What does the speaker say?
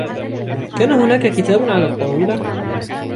كان هناك كتاب على الطاولة ؟